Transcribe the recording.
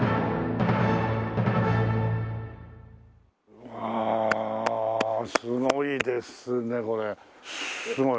うわあすごいですねこれ。すごい。